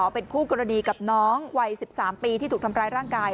เป็นคู่กรณีกับน้องวัย๑๓ปีที่ถูกทำร้ายร่างกาย